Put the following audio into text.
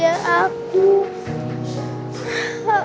nah itu michaela